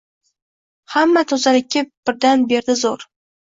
Hamma tozalikka berdi birdan zo’r